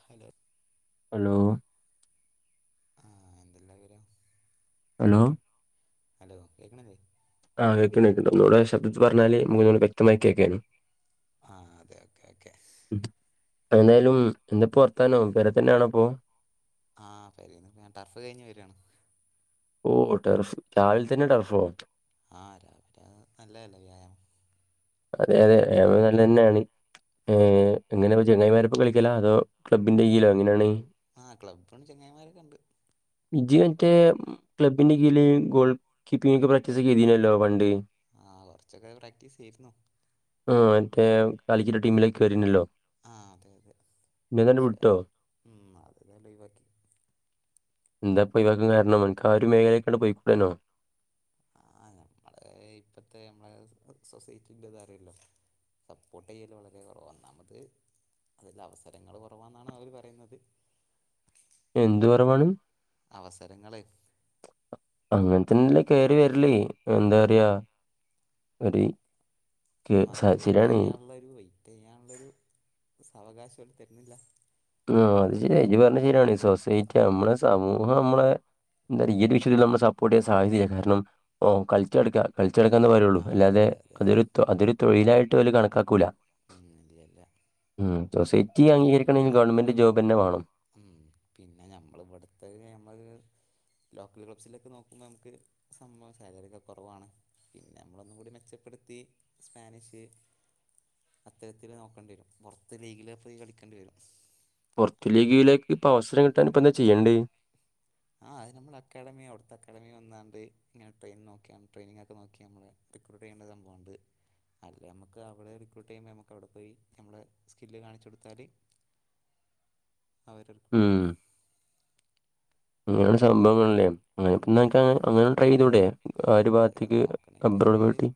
Hello hello ആഹ് എന്തെല്ലാ വിവരം ഹലോ ഹലോ കേക്കണില്ലേ ആഹ് കേൾക്ക്ണ്ട് കേക്ക്ണ്ട് ഒന്നൂടെ ശബ്ദത്ത് പറഞ്ഞാല് നമുക്കൊന്നൂടെ വ്യക്തമായി കേക്കേര്ന്നു അഹ് അതെ ഓക്കെ ഓക്കെ ഉം എന്തായാലും എന്താപ്പോ വർത്താനോ പൊരെ തന്നെയാണോപ്പോ ആഹ് പെരേൽ ഞാൻ ടർഫ് കഴിഞ്ഞ് വരാണ് ഓ ടർഫ് രാവിലെ തന്നെ ടർഫോ ആഹ രാവിലെ നല്ലതല്ല വ്യായാമം അതെ അതെ നല്ല തന്നെയാണ് ഏ എങ്ങനെയാപ്പോ ചങ്ങായിമാരപ്പോ കളിക്കല അതോ ക്ലബ്ബിൻന്റെ കീയിലോ എങ്ങനെയാണ് ആഹ് ക്ലബ്ബണ്ട് ചെങ്ങായിമാരൊക്കെ ഉണ്ട് വിജി മറ്റേ ക്ലബിന്റെറെ കീഴിൽ ഗോൾ കീപ്പിംഗ് ഒക്കെ പ്രാക്ടീസ് ചെയ്തിനല്ലോ പണ്ട് ആഹ കൊറച്ചൊക്കെ പ്രാക്ടീസ് ചെയ്രുന്നു ആ മറ്റേ കളിക്കിന്റെ ടീമിലേക്ക് വരുന്നല്ലോ ആഹ അതെ അതെ പക്ഷെ വിട്ടോ ഉം അതേതായാലും ഒയിവാക്കി എന്താപ്പോ ഒയിവാക്കൻ കാരണം അനക്ക് ആ ഒരു മേഖലേക്ക് അങ്ങട് പോയിക്കൂടാനോ അത് ഇപ്പത്തെ നമ്മളെ സൊസൈറ്റിന്റെത് അറിയല്ലോ സപ്പോട്ടെയൽ വളരേ കൊറാ നമ്മടേത് അതില് അവസരങ്ങൾ കുറവാന്നാണ് അവര് പറയുന്നത് എന്ത് കുറവാണ് അവസരങ്ങളെ അങ്ങനത്തന്നല്ല കയറി വരല് എന്താ പറയാ ഒരു ഉം കേ- അത് സ- വെയിറ്റ് ശരിയാണ് ചെയ്യാനുള്ള ഒരു വെയിറ്റ് ചെയ്യാനുള്ള ഒരു സാവകാശം ഓര് തരുന്നില്ല ആ അത് ഫാമിലി ശരിയാ ഇയ്യ് പറഞ്ഞ ആണെങ്കിലും ശരിയാണ് ഉം സൊസൈറ്റി നമ്മളെ സമൂഹ [unintelligible] ഇമ്മള് എന്താ [unintelligible] ഈ ഒരു വിഷയത്തിൽ നമ്മള് സപ്പോർട്ട് ചെയ്യാൻ സാധ്യതയില്ല കാരണം ഓൻ കളിച്ചുനടക്കാ കൾ ഉച്ചെടക്കുന്ന മാതിരിയുള്ളു ആ അല്ലാതെ അതെ അതെ അതൊരു അതൊരു തൊഴിലായിട്ട് ഓര് കണക്കാക്കൂല ഉം ഇല്ല ഇല്ല ഉം സൊസൈറ്റി അംഗീകരിക്കണെ നമ്മള് ഉം പിന്നെ നമ്മൾ ഇവിടുത്ത നമ്മള് ലോക്കൽ ക്ലബ്സിലൊക്കെ നോക്കുമ്പോൾ നമുക്ക് സംഭവം സാലറിയൊക്കെ കുറവാണ് പിന്നെ നമ്മളൊന്നും കൂടി മെച്ചപ്പെടു ത്തി സ്പാനിഷ് അത്തരത്തിൽ നോക്കണ്ടി വരും പുറത്ത് ലീഗലാ പോയി കളിക്കേണ്ടി വരും പുറത്തു ലീഗിലേക്ക് ഇപ്പ അവസരം കിട്ടൻ ഇപ്പ എന്താ ചെയ്യണ്ടേ ആ അത് നമ്മൾക്കക്കാധമി അവിടുത്തെ അക്കാധമി വന്നാണ്ട് ഇങ്ങനെ ടെയിൻ നോക്കിയാണ് ട്രെനിങ്ങക്ക നോക്കിയാണ് നമ്മളെ റിക്രൂട്ട് ചെയ്യേത് സംഭവണ്ട് അല്ലെ നമുക്ക് അവിടെ റിക്രൂട്ട് ചെയ്യുമ്പോൾ നമുക്ക് അവിടെ പോയി നമ്മളെ സ്കില്ല് കാണിച്ചു കൊടുത്താല് അവരർ [inaudible] അങ്ങനെയ സംഭവങ്ങളല്ലേ അങ്ങനെ ഇപ്പന്നാ അങ്ങനെ ട്രൈ ചെയ്തൂട ആ ഒരു ഭാഗത്തേക്ക് അബ്രോഡ് പറ്റി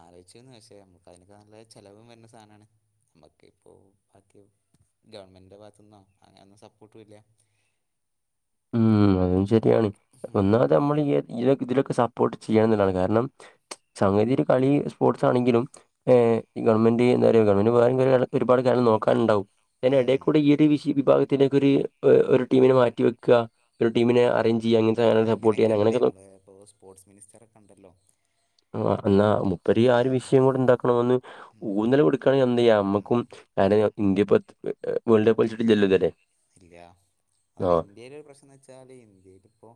ആലോചിച്ചിരുന്ന് പക്ഷേ നമ്മക്ക് അയ്നൊക്ക നല്ല ചിലവും വന്ന സാനാണ് നമ്മക്ക് ഇപ്പോ ബാക്കിയാവും ഗവൺമെന്റിന്റെ ഭാഗത്തുന്നോ അങ്ങനൊന്നും സപ്പോർട്ടും ഇല്ല [unintelligible] അതും ശരിയാണ് ഉം ഒന്നാത നമ്മള് ഇ ഇതിലൊക്കെ ഇതിലൊക്കെ സപ്പോർട്ട് ചെയ്യണം എഎന്നുള്ളതാണ് കാരണം സംഗതി ഒരു കളി സ്പോർട്സ് ആണെങ്കിലും ഹ് ഗവൺമെന്റ് എന്താ പറയുക ഗവൺമെന്റ് വേറേം ഒരുപാട് ഒരുപാട് കാര്യാ നോക്കാൻ ഉണ്ടാവും അതിന്റെ ഉം എടേക്കൂടെ ഈ ഒരു വിശി വിഭാഗത്തിനെക്കെ ഒരു ഒരു ടീമിനെ മാറ്റി വെക്കുക ഒരു ടീമിനെ ഉം അറേഞ്ച് ചെയ്യുക അങ്ങനത്തെ ആ സാധനങ്ങൾ സപ്പോർട്ട് അങ്ങനെക്കെ ചെയ്യാൻ ഉണ്ട് അങ്ങനെയൊക്കെ നോ നമ്മള് ഇപ്പോ സ്പോർട്സ് മിനിസ്റ്ററൊക്കെ ഉണ്ടല്ലോ ആ എന്നാ മുപ്പരി ആ ഒരു ഉം വിഷയം കൂടെ എന്താക്കണമന്ന് ഉം ഊന്നൽ കൊടുക്കുകണെങ്കിൽ എന്തേയ്യ നമ്മക്കും ഉം [inaudible] ഇന്ത്യ ഇപ്പ ഏ വേൾഡ് കപ്പ് കളിച്ചിട്ടില്ലല്ലോല്ലേ ഇല്ല അത ഇന്ത്യയില ഒരു പ്രശ്നം എന്ന് വെച്ചാല് ഇന്ത്യയില ഇപ്പോ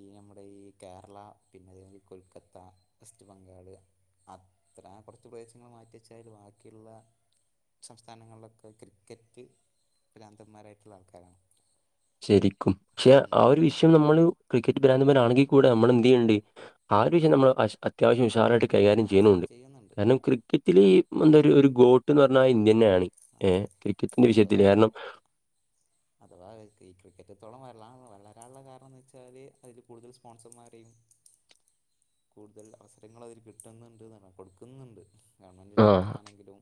ഈ നമ്മട ഈ കേരള പിന്നെ അതേപോലെ കൊൽക്കത്ത വെസ്റ്റ് ബംഗാള് അത്ര കൊറച്ച് പ്രദേശങ്ങള് മാറ്റിവെച്ചാല് ബാക്കിയുള്ള സംസ്ഥാനങ്ങളിലൊക്കെ ക്രിക്കറ്റ് പ്രാന്തന്മാരായിട്ടുള്ള ആൾക്കാരാണ് ശരിക്കും പക്ഷെ ആ ഉം ഒരു വിഷയം നമ്മള് ക്രിക്കറ്റ് ബ്രാന്തമ്മാരാണെങ്കി കൂടെ നമ്മൾ എന്ത് ചെയ്യല്ണ്ട് ആ ഒരു വിഷയം നമ്മൾ അശ് അത്യാവശ്യം ഉഷാറായിട്ട് കൈകാര്യം ആ അത് ചെയ്യുന്നുണ്ട് കാരണം ക്രിക്കറ്റില് ഈ എന്താ ഒര് ഒരു ഗോട്ട്ന്ന് പറഞ്ഞാ ഇന്ത്യന്നെയാണ് ഏഹ് അതെ ക്രിക്കറ്റിന്റെ വിഷയത്തില് അഥവാ കാരണം അഥവാ ഈ ക്രിക്കറ്റ് ഇത്രത്തോളം വള വളരാനുള്ള കാരണന്ന് വെച്ചാല് അതില് കൂടുതൽ സ്പോൺസർമാരെയിനും കൂടുതൽ അവസരങ്ങൾ അതിൽ കിട്ടുന്നുണ്ട് [unintelligible] കൊടുക്കുന്നുണ്ട് ഗവൺമെൻറ്റിൻ്റെ ഭാഗത്തു ആഹ് നിന്നാണെങ്കിലും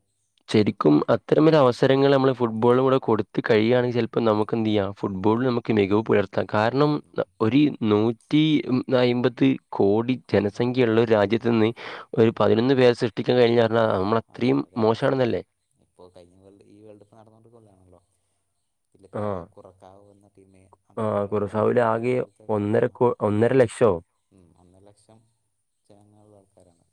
ശരിക്കും അത്തരം ഒരു അവസരങ്ങള് നമ്മള് ഫുട്ബോളിലും കൂടെ കൊടു ത്ത് കഴിയാണെങ്കിൽ ഉം ചെലപ്പോ നമുക്ക് എന്ത് ചെയ്യാം ഫുട്ബോളില് നമുക്ക് മികവ് പുലർത്താം, കാരണം ഉം ഉം ന ഒരു നൂറ്റ് റ്റി ഉം മ് അയിമ്പത് കോടി ജനസംഖ്യള്ള ജനങ്ങളുള്ള ഒരു ഉം രാജ്യത്ത്ന്ന് ഒരു പതിനൊന്ന് പേരെ സൃഷ്ടിക്കൻ കഴിഞ്ഞാ പറഞ്ഞാ അത് നമ്മളത്രയും വളരെ മോശാണ് മോശാണെന്നല്ലേ? ഇപ്പൊ കഴിഞ്ഞ വേൾഡ് ഈ വേൾഡ് കപ്പ് നടന്നോ [unintelligible] ആഹ്. [unintelligible] കുറക്കാവോന്ന് ആഹ് കുറസാവോല് ആകെ പോലത്തെ ആ ഒന്നര കോ ഒന്നര ലക്ഷോ ഉം ഒന്നര ലക്ഷം ജനങ്ങളുള്ള ആൾക്കാരാണ്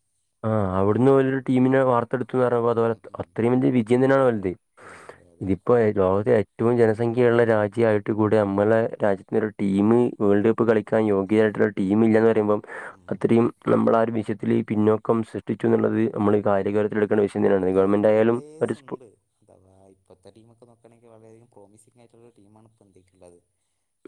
ആഹ് അവിടുന്ന് ഓലൊരു ടീമിനെ വാർത്ത് വാർത്തെടുത്തൂന്ന് പറയുമ്പോ അത് ഉം ഓലെ ഉം ഉം അത്രയും വലിയ വിജയം തന്നെയാണ് വലുത് ഉം അതെ അതെ ഇതിപ്പോ ലോകത്തെ ഏറ്റ് ഏറ്റവും ജനസംഖ്യയുള്ള രാജ്യായിട്ട് കൂടി നമ്മളെ രാജ്യത്ത്ന്ന് ഒരു ടീമ് വേൾഡ് കപ്പ് കളിക്കാൻ യോഗ്യരായിട്ടുള്ള ടീമ് ഇല്ലാന്ന് പ [unintelligible] ഉം അത്രയും നമ്മളാ ഒര് വിഷയത്തില് പിന്നോക്കം സൃഷ്ടിച്ചൂന്നുള്ളത് നമ്മള് കാര്യഗൗരവത്തിലെടുക്ക് ഉം കളിക്കുന്ന പ്ലേയേർസ് ഉണ്ട് അഥവാ ഇപ്പഴത്തെ ടീമൊക്കെ നോക്കാണെങ്കി വളരെയധികം പ്രോമിസിങ്ങായി ഇപ്പ ഉള്ള ടീമാണ് [unintelligible]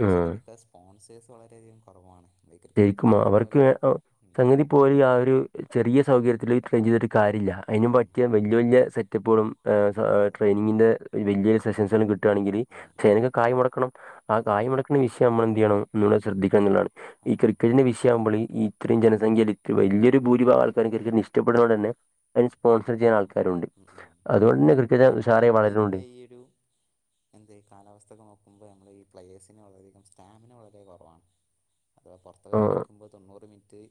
പക്ഷെ ആഹ് ഇതിനൊക്കെ സ്പോൺസേഴ്സ് വളരെയധികം കുറവാണ് ഈ ജയിക്കുമോ ക്രിക്കറ്റുള്ള അവർക്ക് പോലെ ഏ ഒ ഉം സംഗതിപ്പോല് ആ ഒരു ചെറിയ സൗകര്യത്തില് ട്രെയിൻ ചെയ്തിട് കാര്യല്ല ഉം അയ്ന് ഉം പറ്റിയ വല്ല്യ വല്ല്യ സെറ്റപ്പുകളും ആ അതെ അതെ ട്രെയിനിങ്ങിന്റെ വല്ല്യ [unintelligible] കിട്ടാണെങ്കില് ഉം പക്ഷേ ഉം ഐനൊക്കെ കായ് മൊടക്കണം ആ അതെ കായ്മൊടക്ക്ണ വിഷയം നമ്മള് യ്യണം ഒന്നൂടെ ശ്രദ്ധിക്കണംന്നുള്ളതാണ് ഈ ആഹ് ക്രിക്കറ്റിന്റെ വിഷയ ആവുമ്പോള് ഈ ഇത്രയും ജനസംഖ്യയില് ഇത്രയും വല്ല്യൊരു ഭൂരിഭാഗ ആൾക്കാരും കരുതി ഇഷ്ടപ്പെട്ണോരെന്നെ ഐന് സ്പോൺസർ ചെയ്യുന്ന ആൾക്ക് ഉം ഉം പിന്നെ നമ്മള് ഉഷാറായി വളരുന്നുണ്ട് ഇന്ത്യന്റെ ഈ ഒരു എന്ത് കാലാവസ്ഥൊക്കെ നോക്കുമ്പോ നമ്മള് ഈ പ്ലയേഴ്സിന് വളരെയധികം സ്റ്റാമിന വളരെ കൊറവാണ് അഥവാ പൊർത്തൊക്കെ ആ, കളിക്കുമ്പോ തൊണ്ണൂറ് മിൻറ്റ്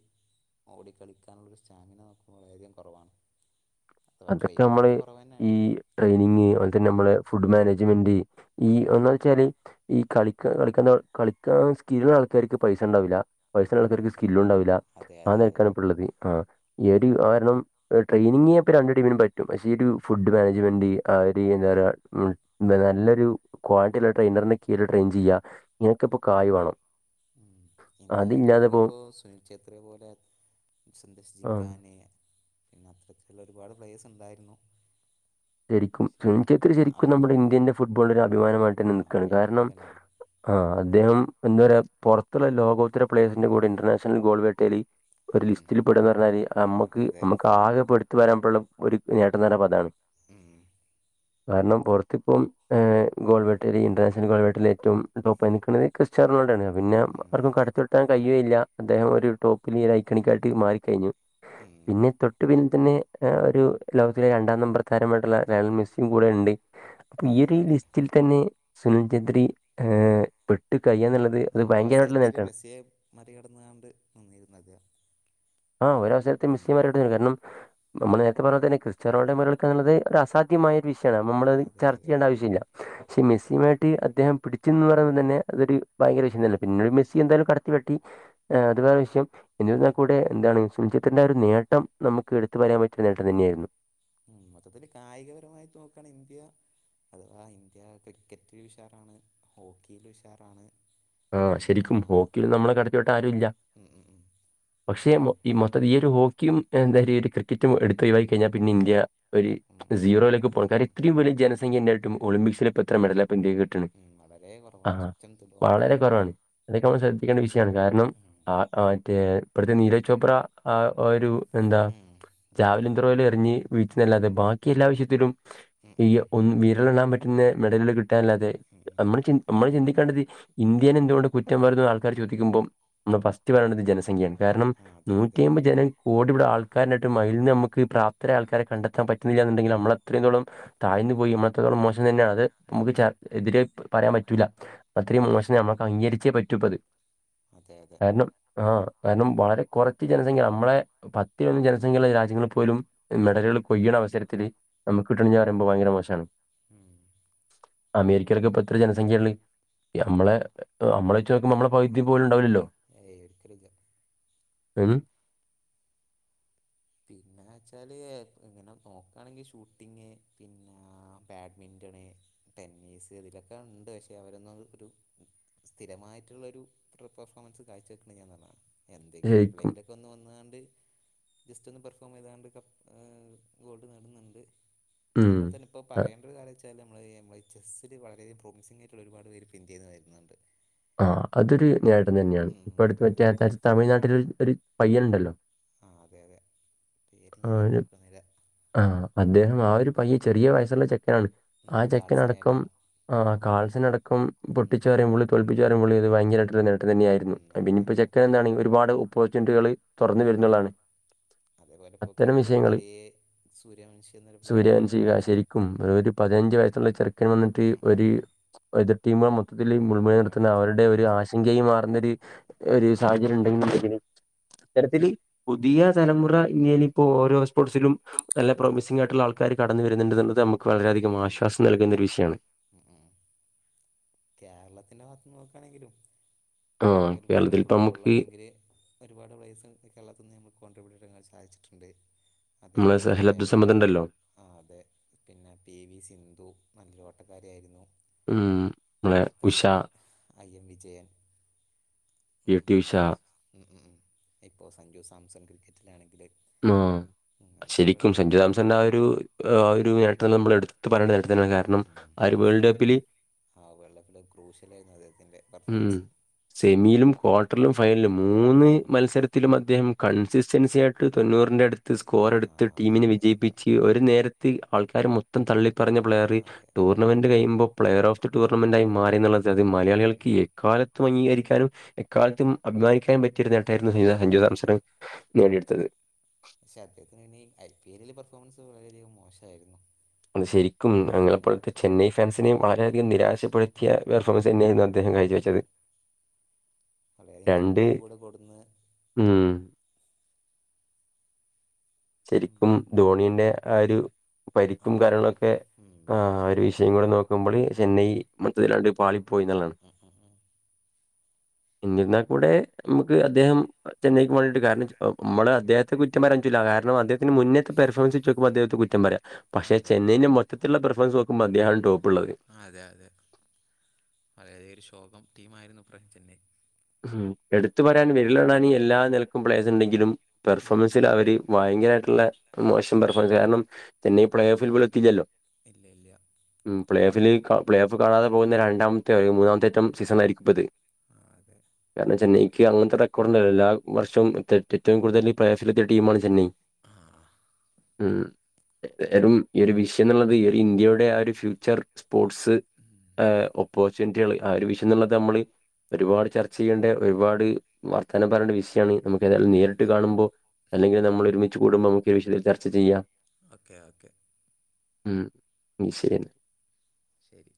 ഓടി കളിക്കാനുള്ളൊരു സ്റ്റാമിന നോക്കുമ്പ വളരെയധികം കുറവാണ് അഥവാ അതൊക്കെ നമ്മള് ട്രെയിനിങ്ങിൻ്റെ കുറവ് ഈ തന്നെയാണ് ട്രെയിനിങ്ങ് അത്പോൽതന്നെ ഉം നമ്മളെ ഫുഡ് മാനേജ്മെന്റ് ഈ ഉം ഒന്നാമത് വെച്ചാല് ഈ കളിക്കാ കളിക്കാ കളിക്കാൻ സ്കില്ലുള്ള ആൾക്കാർക്ക് പൈസണ്ടാവില്ല പൈസള്ള ഉം ആൾക്കാർക്ക് സ്കില്ലുണ്ടാവില്ല അതെ ആ അതെ അതെ നൽക്കാണ് ഇപ്പള്ളത് ആഹ് ഏഡി കാരണം ട്രെയിനിങ്ങ് ഇപ്പ രണ്ടു ടീമിനും പറ്റും പക്ഷേ ഈ ഒരു ഫുഡ് മാനേജ്മെന്റ് ആര് എന്താപര്യാ നല്ലൊരു ക്വാളിറ്റില്ല ട്രെയിനറിന് കീഴിൽ ട്രെയിൻ ചെയ്യാ നിനക്കപ്പോ കായ് വാണം ഉം ഇന്ത്യ നോക്കാണെങ്കി ഇപ്പോ സുനിൽ ഛേത്ര പോലെ സന്തേഷ് ആ ജിൻങ്കാനെ പിന്നെ അത്തരത്തിലുള്ള ഒരുപാട് പ്ലേസ് ഉണ്ടായിരുന്നു ശരിക്കും പക്ഷേ സുനിൽ ഛേത്രി ശരിക്കും അവർ നമ്മുടെ ഇന്ത്യന്റെ ഫുട്ബോൾളൊരു അഭിമാനമായിട്ട് ആ തന്നെ നിക്കാണ് അവരയക്കണം കാരണം തന്നെയാണ് ആഹ് അദ്ദേഹം എന്താ പറയാ പൊർത്തുള്ള ലോകോത്തര പ്ലേഴ്സിന്റെ കൂടെ ഇന്റർനാഷണൽ ഗോൾ വേട്ടേല് ഒരു ഉം ലിസ്റ്റിൽ പെടാന്ന് പറഞ്ഞാല് അതെ നമ്മുക്ക് അതെ നമുക്ക് ആകെ പെടുത്തത്ത് വരാൻപുള്ള ഒരു നേട്ടംന്നർഞ്ഞാപതാണ് ഉം കാരണം പൊറത്തിപ്പം ഏ ഗോൾവേട്ടരി ഇന്റർനാഷണൽ ഗോൾവേട്ടരി ഏറ്റവും ടോപ്പായി നിക്ക്ണത് ക്യസ്റ്റ് [unintelligible] പിന്നെ ഉം ആർക്കും അതെ അതെ കടത്തിവെട്ടാൻ കഴിയുകയില്ല അദ്ദേഹം ഒരു ടോപ്പിൽ ലൈക്കണിക്കായിട്ട് മാറിക്കഴിഞ്ഞു ഉം പിന്നെ തൊട്ടു പിന്നി തന്നെ ആഹ് ഒരു ലോകത്തിലെ രണ്ടാം നമ്പർ താരമായിട്ടുള്ള ലേയണൽ മെസ്സിയും കൂടെ ഇണ്ട് അപ്പൊ ഈ അതെ ഒരു അതെ ലിസ്റ്റിൽ തന്നെ സുനിൽ ജദ്രി ഏഹ് പെട്ട് കഴിയാന്നുള്ളത് ആ അത് ഭയങ്കരമായിട്ടുള്ള ഒരവസരത്തില് നേട്ടമാണ് മെസ്സിയെ മറികടന്നാണ്ട് നിന്നിരുന്നത് ആഹ് ഒരവസരത്തിൽ [unintelligible] കാരണം നമ്മള് നേരത്തെ പറഞ്ഞത് തന്നെ ക്രിസ്റ്റ്യാനോനെ മറികടക്കാ എന്നുള്ളത് ഒരു അസാധ്യമായ വിഷയാണ് അപ്പ നമ്മളത് അതെ ചർച്ച അതെ ചെയ്യേണ്ട ആവശ്യല്ല പക്ഷെ മെസ്സിയുമായിട്ട് അദ്ദേഹം പിടിച്ചു നിന്നൂന്ന് പറയുമ്പോ തന്നെ അതൊരു ഭയങ്കര വിഷയം ഉം തന്നെയാ ഉം പിന്നൊരു മെസ്സി എന്തായാലും കട കടത്തിവെട്ടി ആഹ് അതുവേറെ വിഷയം ഉം എന്നിരുന്നാ കൂടെ ആണ് സുംചിത്തിന്റെ ആ ഒരു നേട്ടം നമുക്ക് എടുത്തു പറയാൻ പറ്റിയ ഒരു നേട്ടം തന്നെയായിരുന്നു ഉം മൊത്തത്തില് കായികപരമായിറ്റ് നോക്കുവാണെ ഇന്ത്യ അഥവാ ഇന്ത്യ ക്രിക്കറ്റില് ഉഷാറാണ് ഹോക്കിയില് ഉഷാറാണ് ആഹ് പിന്നെ ശരിക്കും ഹോക്കില് നമ്മളെ കടത്തിവെട്ടാൻ ആരും ഇല്ല ഉം ഉം ഉം പക്ഷെ എന്താ മൊ ഈ പറയുക മൊത്തം ഈ ഒരു ഹോക്കിയും എന്താ ഈ ഒരു ക്രിക്കറ്റും എടുത്ത് ഒഴിവായി കഴിഞ്ഞാ പിന്നെ ഇന്ത്യാ ഒരു ഉം സീറോയിലേക്ക് പോകും അട്ടപ്പൂച്ച കാരണം ഇത്രയും വലിയ ജനസംഖ്യ ഉണ്ടായിട്ടും ഒളിമ്പിക്സിൽ ഇപ്പോ എത്ര മെഡലാ ഉം വളരെ കുറവാണ് [unintelligible] വളരെ കുറവാണ് അതൊക്കെ നമ്മൾ ശ്രദ്ധിക്കേണ്ട വിഷയാണ് കാരണം ഉം അ ആഹ്. മറ്റേ ഇപ്പഴ്ത്തെ നീരജ് ചോപ്ര ആഹ് ഒരു എന്താ ഉം ജാവലിൻ ത്രോയിൽ എറിഞ്ഞ് വീഴ്ത്തുന്നല്ലാതെ ബാക്കി എല്ലാ വിഷയത്തിലും ഉം ഈ ഉം ഒന്ന് വിരളിലെണ്ണാൻ പറ്റുന്ന മെഡലുകൾ കിട്ടാന്നല്ലാതെ ഉം ഉം നമ്മള് നമ്മള് ചിന്തി [unintelligible] ഇന്ത്യേനെ എന്തുകൊണ്ട് കുറ്റം പറയുന്നു ആൾക്കാര് ചോദിക്കുമ്പോ മ് ഫസ്റ്റ് പറയണ്ടത് ജനസംഖ്യയാണ് കാരണം ആ അതെ നൂറ്റി അതെ അയിമ്പത് ജനം കോടി ഇവടെ ആൾക്കാര്ണ്ടായിട്ടും അയിൽന്ന് നമ്മക്ക് പ്രാപ്തരായ ആൾക്കാരെ കണ്ടൊൻ പറ്റുന്നില്ല എന്നുണ്ടെങ്കില് നമ്മളത്രയും താഴ്ന്ന് പോയി മ്മളത്രത്തോളം മോശം തന്നെയാണ് അത് ഉം നമുക്ക് ചർ എതിരെ പറയാൻ പറ്റൂല്ല അത്രയും ഉം മോശം നമുക്ക് അംഗീകരിച്ചേ പറ്റൂപ്പത് അതെ അതെ കാരണം ആഹ് കാരണം വളരെ കൊറച്ച് ജനസംഖ്യ നമ്മളെ പത്തിലൊന്ന് ജനസംഖ്യള്ള രാജ്യങ്ങളിൽ പോലും മെഡലുകൾ കൊയ്യണ അവസരത്തില് നമ്മക്ക് കിട്ടണില്ലാ പറയുമ്പോ ഭയങ്കര മോശാണ് ഉം അമേരിക്കയിലൊക്കെ ഇപ്പൊ എത്ര ജനസംഖ്യേള്ളത് നമ്മളെ അമ്മളെ വെച്ച് നോക്കുമ്പോമ്മളെ പൗതി പോലുണ്ടാവില്ലല്ലോ ഏയ് ഒരിക്കലുല്ലാ [unintelligible] പിന്നേച്ചാല് ഇങ്ങനെ നോക്കാണെങ്കില് ഷൂട്ടിംഗ് പിന്നെ ബാഡ്മിന്റ ടണേ ടെന്നീസ് ഇതിലൊക്കെ ഉണ്ട് പക്ഷേ അവരൊന്നും ഒരു സ്ഥിരമായിട്ടുള്ളൊരു ഇത്ര പെർഫോമൻസ് കാഴ്ച്ച വെക്ക്ണ ഞാൻന്നാർഞ്ഞാ എന്തെങ്കിലും ശരിക്കും എപ്പഴെങ്കിലൊക്കെ ഒന്ന് വന്നാണ്ട് ജസ്റ്റ് ഒന്ന് പെർഫോം ചെയ്താണ്ട് കപ്പ് ഗോൾഡ് നടുന്നുണ്ട് ഉം. അതുപോൽതന്നെ ഇപ്പ അ- പറയേണ്ടൊരു കാര്യന്തച്ചാ ന്തായാലും നമ്മള് നമ്മളത് ചെസ്സില് വളരേ പ്രോമിമിംഗായിട്ടുള്ള ഒരുപാട് പേര് പിന്ത്യേന്ന് വരുന്നുണ്ട് ആഹ് അതൊരു നേട്ടം തന്നെയാണ് ഇപ്പ ഉം അടുത്ത് അതെ അതെ മറ്റേ തമിഴ്നാട്ടില് ഒരു പയ്യനുണ്ടല്ലോ ആഹ് അതെ അതെ പേര് ഞാനും ഓർക്കുന്നില്ലാ ആഹ് ഒരു പയ്യൻ ചെറിയ വയസ്സുള്ള ചെ [unintelligible] ഉം ആ ചെക്കനടക്കം കാൾസിനെയെല്ലാം ആ ഉം കാൾസിനടക്കം ഉം പൊട്ടിച്ചു പറയുമ്പോള് പറയുമ്പള് ഒരു ഭയങ്കരായിട്ടുള്ള നേട്ടം തന്നെയായിരുന്നു ഉം അത്‌ നേട്ടം പിന്നിം ഇപ്പോ തന്നെയാ ചെക്കൻ എന്താണ് ഒരുപാട് [unintelligible] തൊർന്ന് ഉം ഉം വരുന്നുള്ളാണ് അതേപോലെ ഇപ്പോൾ അത്തരം വിഷയങ്ങള് ക്രിക്കറ്റില് സൂര്യവംശി എന്നൊരു പ്ലെയർ സൂര്യൻ ശ നമ്മുടെ രാജസ്ഥാൻ ശരിക്കും ഒരു പതിനഞ്ച് വയസ്സുള്ള ഒരു ഉം ചെർക്കൻവന്നിട്ട് ഉം ഉം ഉം ഒര് എതിർടീമാളെ മൊത്തത്തില് മുൾമുനയിൽ ത്തത്തിന് അടിച്ച് അവരുടെ ഒരു പൊളിച്ച് ആശങ്കയും മാറുന്നൊര് ഒരു ഉം സാഹചര്യം ഉണ്ടെങ്കില് [unintelligible] ഇത്തരത്തില് പുതിയ തലമുറ ഇങ്ങനി ഇപ്പോ ഓരോ സ്പോർട്സിലും നല്ല പ്രോമിസിംഗായിട്ടുള്ള ആൾക്കാര് കടന്ന് വരുന്നുണ്ട്ന്ന്ള്ളത് നമ്മക്ക് വളരേയധികം ഉം ആശ്വാസം നൽകുന്ന ഒരു വിഷയാണ് കേരളത്തിന്റെ മാത്രം നോക്കാണെങ്കിലും ആഹ് ഒരുപാട് ഇപ്പോ കേരളത്തിൽ ഇപ്പ നമുക്ക് ഫുട്ബോൾളാണെങ്കില് ഒരുപാട് പ്ലൈസ് കേരളത്തിൽ നിന്ന് നമ്മക്ക് കോൺട്രിബ്യൂട്ട് ചെയ്യച് അയച്ട്ടുണ്ട് നമ്മളെ അതേപോലെ സഹൽ നമ്മളെ അബ്ദുസമദ് ഉണ്ടല്ലോ അതെ പിന്നെ പി വി സിന്ധു മ്മല്ലു ട്ടക്കാരിയായിരുന്നു ഉം നമ്മളെ ഉഷ അത്തരത്തില് I M Vijayan P T Usha [unintelligible] ഇപ്പോൊ സഞ്ജു സാംസൺ ക്രിക്കറ്റിലാണെങ്ക ആ ശരിക്കും കേ സഞ്ജു തമസന്റെ ആ ഒരു ആ ഒരു നേട്ടം നമ്മൾ എടുത്തു ത്ത് പറയെണ്ട നേട്ടം തന്നെണ് ഉം കാരണം ഉം ഉം. ആര് പക്ഷേ വേൾഡ് കപ്പില് ആ വേൾഡ് കപ്പിൽ ക്രൂഷ്യലായിരുന്നു അദ്ദേഹത്തിൻ്റെ ഉം പെർഫോമൻസ് സെമിയിലും ക്വാർട്ടറിലും ഫൈനലും മൂന്ന് ഉം മത്സരത്തിലും മം അദ്ദേഹം കൺസിസ്റ്റൻസി ആയിട്ട് തൊണ്ണൂറിന്റെ അടുത്ത് സ്കോർ ആ എടുത്ത് അതെ ടീമിനെ അതെ വിജയിപ്പിച്ച് ഒരു നേരത് ത്തി ആൾക്കാർ മൊത്തം തള്ളിപ്പറഞ്ഞ പ്ലെയർ അതെ ടൂർണമെന്റ് കഴിയുമ്പോ പ്ലെയർ ഓഫ് ടൂർണമെന്റായി മാറിന്ന്ള്ളത് ഉം മലയാളികൾ കേ ഉം എക്കാലത്തും അംഗീകരിക്കാനും എക്കാലത്തും അഭിമാനിക്കാനും പറ്റിയരു ന്നേ ട്ടയിരുന്നു അതെ അതെ സഞ്ജുതാംസരം നേടിയെടുത്തത് പക്ഷെ അദ്ദേഹത്തിന് ഐ പി എല്ലില് പെർഫോമൻസ് വളരെയധികം മോശമായിരുന്നു അത് ശരിക്കും അദ്ദേഹത്തിന് ആ- ഞങ്ങളെപ്പോഴത്തെ ചെന്നൈ ഫാൻസിനെയും വളരെയധികം നിരാശപ്പെടുത്തിയ ഉം പെർഫോമൻസ് ഉം ഉം എന്നെയിരുന്നു അദ്ദേഹം ങ്ങായി അതെ അതെ ച്ചോയ്‌ച്ചത് വളരെയധികം ഹൈപ്പോഡ് കൂടെ കൊട്ന്ന് ഉം ഉം ശരിക്കും ധോണിന്റെ ആ ഒരു ആ പരിക്കും പാവം കാര്യങ്ങളൊക്കെ ഉം ആ് ധോണിയുടെ ഒരു വിഷയം പാവക്കായ കൂടെ നോക്കുമ്പൾ ചെന്നൈ മൊത്തയ്‌ല് അട്ട് പാളി പോയി ന്ന് ല്ലത് ഉം ഉം ഉം എന്നിരുന്നാൽ കൂടെ നമുക്ക് അദ്ദേഹം ചെന്നൈക്ക് വേണ്ടിട്ട് കാരണം നമ്മള് അദ്ദേഹത്തെ കുറ്റം പറയാറ്റൂല കാര അദ്ദേഹത്തിന് മുന്നേ പെഫോമൻസ് വെച്ച നോക്കുമ്പോൾ അദ്ദേഹത്തെ കുറ്റം പറയാ പക്ഷെ അതെ ചെന്നൈൻന്റെ മൊത് റ്റ് ഉള്ള പ്രഫ്രൻസ് നോക്കുമ്പോ അദ്ദേഹാണ് ടോപ് അതെ അതെ വളരെ ഒരു ശോകം ടീ ആയിരുന്നു [unintelligible] എടുത്തു പറയാൻ വിരിലണാൻ എല്ലാ നിലക്കും പ്ലേസ് ണ്ടെങ്കിലും ഉം ഉം പെർഫോമൻസിൽ അവര് ഭയങ്കരമായിട്ട് ള്ളെ മോശം പെർഫോൻസ് കാരണംന്നെ ഈ പ്ലേ ഓഫിൽ പോല എത്തില്ലോ [inaudible] പ്ലേ ഓഫില് പ്ലേ ഓഫ് കാണാതെ പോകുന്ന രണ്ടമത്തെ ഒരു മൂന്നാമത്തെ റ്റം സീസൺ ആരിക്കും ഇപ്പ ഇത് ആ അതെ താണ് ചെന്നൈ ക്ക്‌ അങ്ങൻത്തെ റെക്കോർഡ ണ്ടല്ല എല്ലാ വർഷവും ഏറ്റവും കൂടുതൽ പ്ലേഫില എത്തിയ ടീമാണ് ചെന്നൈ ആ ഉം വറും ഈ ഒരു വിഷയം എന്നുള്ളത് ഈ ഒരു ഇന്ത്യയുടെ ആ ഒരു ഫ്യൂച്ചർ സ്പോർട്സ് ഉം. ഹ ഓപ്പോർച്യൂണിറ്റികൾ ആ ഒരു വിഷയം എന്നുള്ള നമ്മള് ഒരുപാട് ചർച്ച ചെയ്യേണ്ട ഒരുപാട് വർത്തനം പറയേണ്ട വിഷയണ് നമ്മുക്ക് അത് അതെ നേരിട്ട് അതെ കാണുമ്പോ അല്ലെങ്കിൽ നമ്മൾ ഒരുമിച്ച് കൂടുമ്പോ നമുക്ക് ഈ വിഷയത്തിൽ ചർച്ച ചെയ്യാം ഓക്കെ ഓക്കെ ഉം ശെരി ശരി